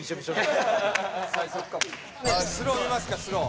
スロー見ますかスロー。